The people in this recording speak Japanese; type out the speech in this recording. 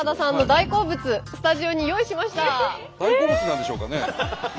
大好物なんでしょうかね？